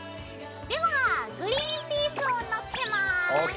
ではグリンピースをのっけます。